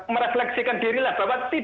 merefleksikan diri lah bahwa